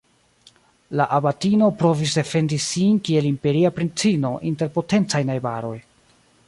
La abatino provis defendi sin kiel imperia princino inter potencaj najbaroj.